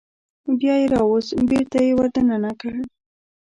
بیا یې راوویست بېرته یې ور دننه کړ.